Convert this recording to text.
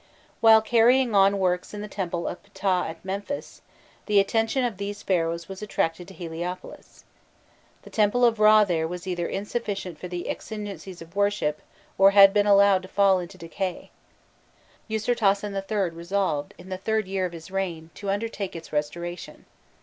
While carrying on works in the temple of Phtah at Memphis, the attention of these Pharaohs was attracted to Heliopolis. The temple of Râ there was either insufficient for the exigencies of worship, or had been allowed to fall into decay. Usirtasen III. resolved, in the third year of his reign, to undertake its restoration.